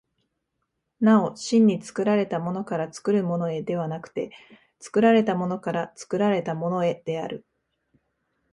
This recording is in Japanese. なお真に作られたものから作るものへではなくて、作られたものから作られたものへである。